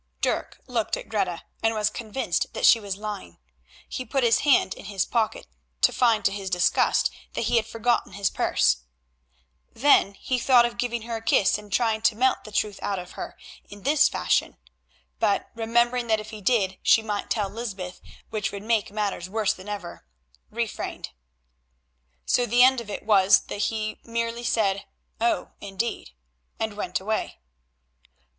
Dirk looked at Greta, and was convinced that she was lying. He put his hand in his pocket, to find to his disgust that he had forgotten his purse. Then he thought of giving her a kiss and trying to melt the truth out of her in this fashion, but remembering that if he did, she might tell Lysbeth, which would make matters worse than ever, refrained. So the end of it was that he merely said "Oh! indeed," and went away.